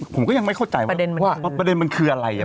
ผมก็ยังไม่เข้าใจว่าประเด็นมันคืออะไร